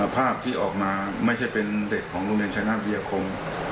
ภาพที่ออกมาไม่ใช่เป็นเด็กของโรงเรียนชนะวิทยาคม